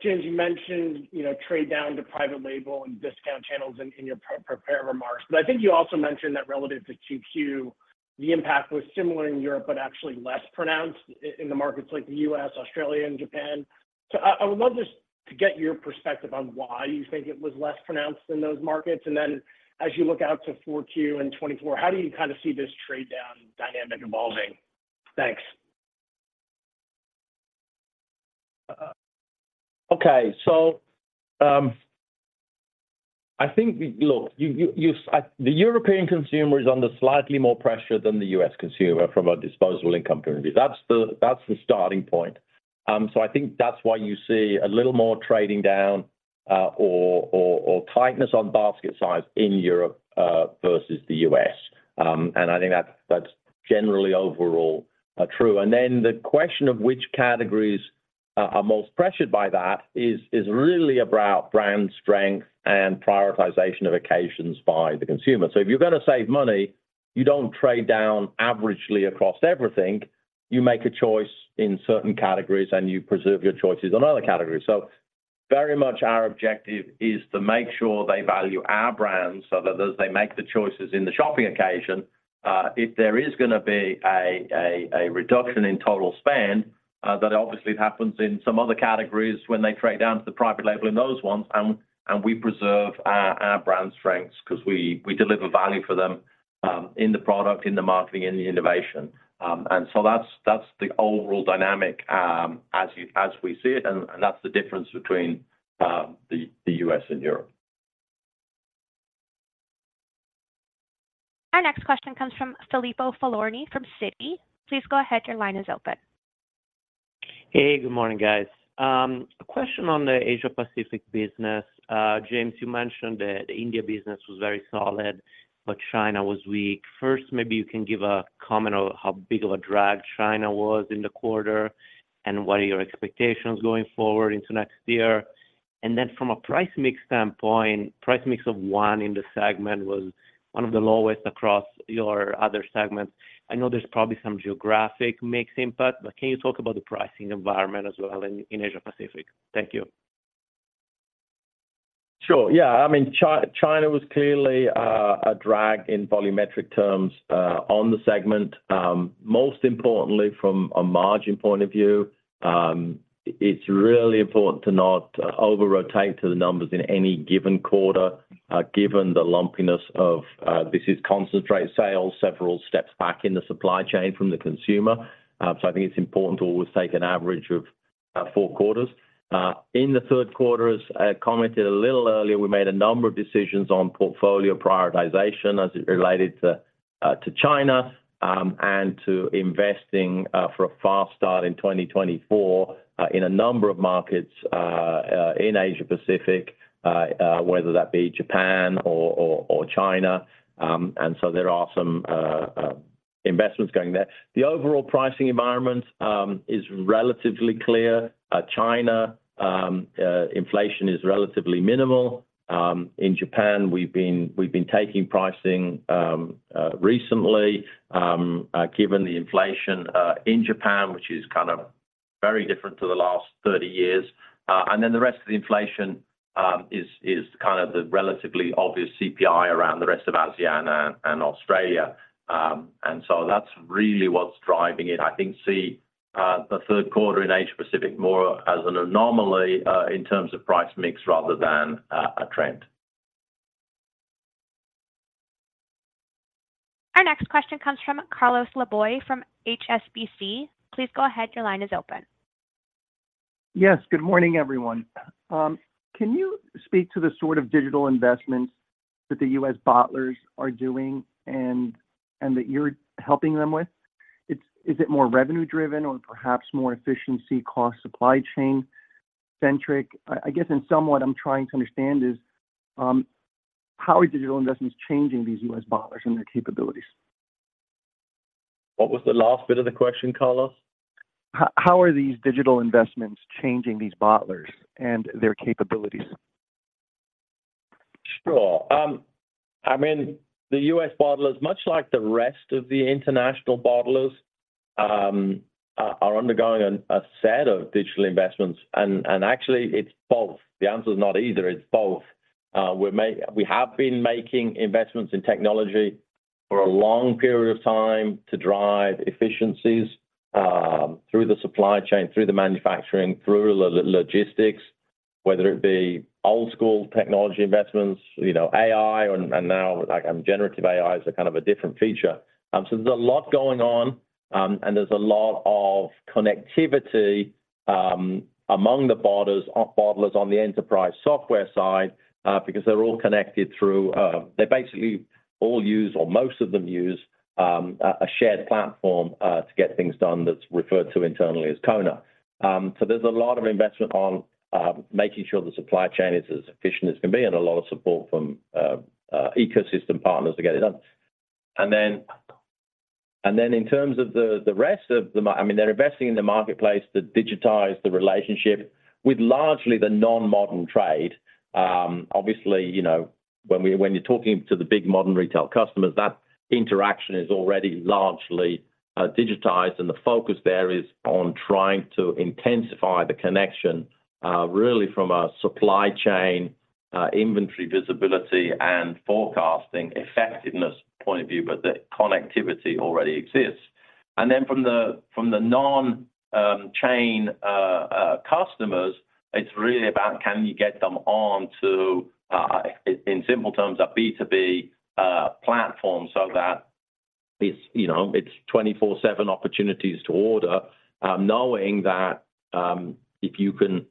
James, you mentioned, you know, trade down to private label and discount channels in your pre-prepared remarks. But I think you also mentioned that relative to QoQ, the impact was similar in Europe, but actually less pronounced in the markets like the U.S., Australia, and Japan. So I would love just to get your perspective on why you think it was less pronounced in those markets. And then, as you look out to Q4 in 2024, how do you kind of see this trade-down dynamic evolving? Thanks. Okay, so, I think, look, the European consumer is under slightly more pressure than the U.S. consumer from a disposable income point of view. That's the starting point. So I think that's why you see a little more trading down, or tightness on basket size in Europe, versus the U.S.. And I think that's generally overall true. And then the question of which categories are most pressured by that is really about brand strength and prioritization of occasions by the consumer. So if you're going to save money, you don't trade down averagely across everything. You make a choice in certain categories, and you preserve your choices on other categories. So very much our objective is to make sure they value our brand so that as they make the choices in the shopping occasion, if there is gonna be a reduction in total spend, that obviously happens in some other categories when they trade down to the private label in those ones, and we preserve our brand strengths because we deliver value for them, in the product, in the marketing, in the innovation. And so that's the overall dynamic, as we see it, and that's the difference between the U.S. and Europe. Our next question comes from Filippo Falorni from Citi. Please go ahead. Your line is open. Hey, good morning, guys. A question on the Asia Pacific business. James, you mentioned that the India business was very solid, but China was weak. First, maybe you can give a comment on how big of a drag China was in the quarter, and what are your expectations going forward into next year? And then from a price mix standpoint, price mix of 1 in the segment was one of the lowest across your other segments. I know there's probably some geographic mix impact, but can you talk about the pricing environment as well in Asia Pacific? Thank you. Sure. Yeah. I mean, China was clearly a drag in volumetric terms on the segment. Most importantly, from a margin point of view, it's really important to not over-rotate to the numbers in any given quarter, given the lumpiness of concentrate sales, several steps back in the supply chain from the consumer. So I think it's important to always take an average of four quarters. In the third quarter, as I commented a little earlier, we made a number of decisions on portfolio prioritization as it related to China, and to investing for a fast start in 2024, in a number of markets in Asia Pacific, whether that be Japan or China. And so there are some investments going there. The overall pricing environment is relatively clear. China inflation is relatively minimal. In Japan, we've been taking pricing recently given the inflation in Japan, which is kind of very different to the last 30 years. And then the rest of the inflation is kind of the relatively obvious CPI around the rest of ASEAN and Australia. And so that's really what's driving it. I think see the third quarter in Asia Pacific more as an anomaly in terms of price mix rather than a trend. Our next question comes from Carlos Laboy, from HSBC. Please go ahead. Your line is open. Yes. Good morning, everyone. Can you speak to the sort of digital investments that the U.S. bottlers are doing and that you're helping them with? It's. Is it more revenue driven or perhaps more efficiency, cost, supply chain centric? I guess in somewhat I'm trying to understand is, how are digital investments changing these U.S. bottlers and their capabilities?... What was the last bit of the question, Carlos? How are these digital investments changing these bottlers and their capabilities? Sure. I mean, the U.S. bottlers, much like the rest of the international bottlers, are undergoing a set of digital investments, and actually it's both. The answer's not either, it's both. We have been making investments in technology for a long period of time to drive efficiencies through the supply chain, through the manufacturing, through the logistics, whether it be old school technology investments, you know, AI or, and now, like, generative AI is a kind of a different feature. So there's a lot going on, and there's a lot of connectivity among the bottlers on the enterprise software side, because they're all connected through... They basically all use, or most of them use, a shared platform to get things done that's referred to internally as CONA. So there's a lot of investment on making sure the supply chain is as efficient as can be and a lot of support from ecosystem partners to get it done. And then in terms of the rest of the marketplace, I mean, they're investing in the marketplace to digitize the relationship with largely the non-modern trade. Obviously, you know, when you're talking to the big modern retail customers, that interaction is already largely digitized, and the focus there is on trying to intensify the connection really from a supply chain inventory visibility and forecasting effectiveness point of view, but the connectivity already exists. And then from the non-chain customers, it's really about can you get them on to, in simple terms, a B2B platform so that it's, you know, it's 24/7 opportunities to order. Knowing that, if you can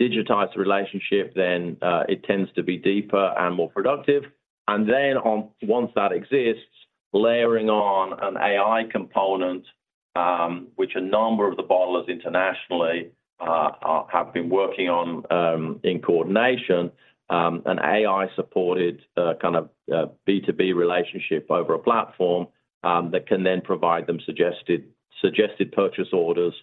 digitize the relationship, then it tends to be deeper and more productive. And then, once that exists, layering on an AI component, which a number of the bottlers internationally have been working on in coordination, an AI-supported kind of B2B relationship over a platform that can then provide them suggested purchase orders,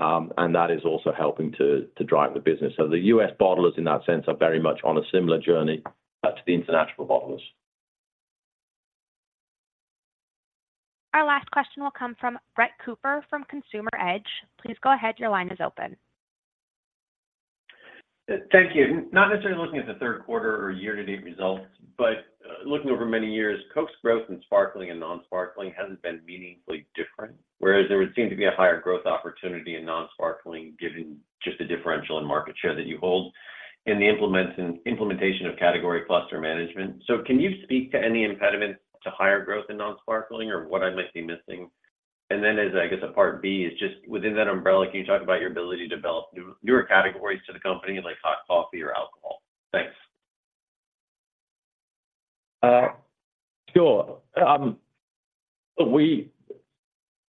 and that is also helping to drive the business. So the U.S. bottlers, in that sense, are very much on a similar journey to the international bottlers. Our last question will come from Brett Cooper from Consumer Edge. Please go ahead. Your line is open. Thank you. Not necessarily looking at the third quarter or year-to-date results, but looking over many years, Coke's growth in sparkling and non-sparkling hasn't been meaningfully different, whereas there would seem to be a higher growth opportunity in non-sparkling, given just the differential in market share that you hold and the implements and implementation of category cluster management. So can you speak to any impediments to higher growth in non-sparkling or what I might be missing? And then as, I guess, a part B is just within that umbrella, can you talk about your ability to develop new, newer categories to the company in, like, hot coffee or alcohol? Thanks. Sure.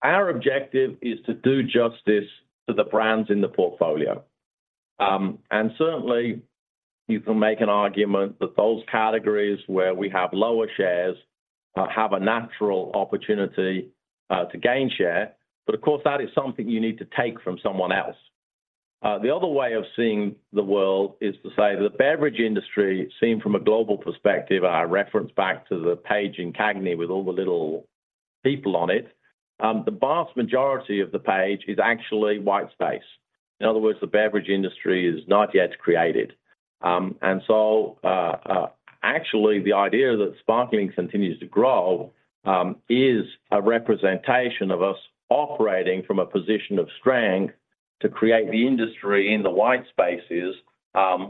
Our objective is to do justice to the brands in the portfolio. And certainly, you can make an argument that those categories where we have lower shares have a natural opportunity to gain share, but of course, that is something you need to take from someone else. The other way of seeing the world is to say the beverage industry, seen from a global perspective, I reference back to the page in CAGNY with all the little people on it. The vast majority of the page is actually white space. In other words, the beverage industry is not yet created. And so, actually, the idea that sparkling continues to grow is a representation of us operating from a position of strength to create the industry in the white spaces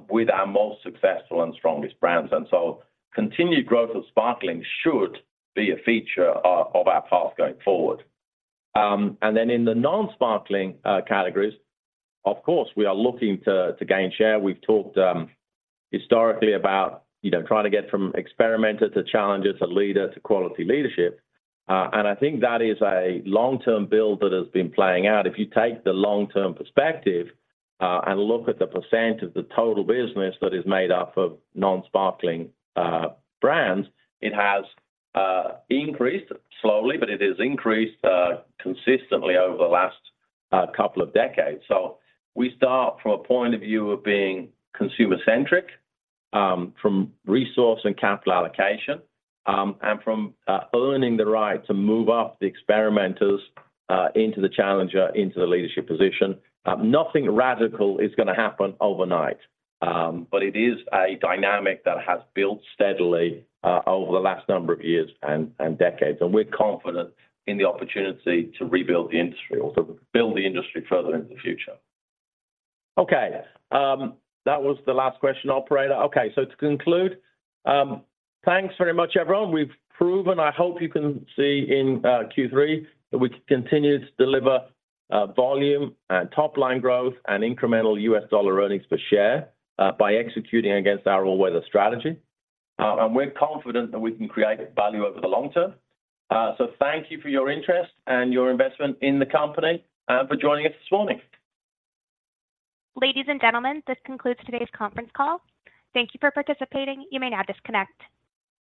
with our most successful and strongest brands. And so continued growth of sparkling should be a feature of our path going forward. And then in the non-sparkling categories, of course, we are looking to gain share. We've talked historically about, you know, trying to get from experimenter to challenger, to leader, to quality leadership. And I think that is a long-term build that has been playing out. If you take the long-term perspective and look at the percent of the total business that is made up of non-sparkling brands, it has increased slowly, but it has increased consistently over the last couple of decades. So we start from a point of view of being consumer-centric from resource and capital allocation and from earning the right to move up the experimenters into the challenger, into the leadership position. Nothing radical is gonna happen overnight, but it is a dynamic that has built steadily over the last number of years and decades, and we're confident in the opportunity to rebuild the industry or to build the industry further into the future. Okay, that was the last question, operator. Okay, so to conclude, thanks very much, everyone. We've proven, I hope you can see in Q3, that we continue to deliver volume and top-line growth and incremental U.S. dollar earnings per share by executing against our all-weather strategy. And we're confident that we can create value over the long term. So thank you for your interest and your investment in the company, and for joining us this morning. Ladies and gentlemen, this concludes today's conference call. Thank you for participating. You may now disconnect.